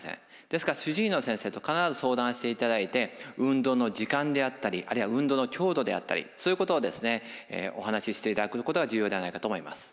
ですから主治医の先生と必ず相談していただいて運動の時間であったりあるいは運動の強度であったりそういうことをお話ししていただくことが重要ではないかと思います。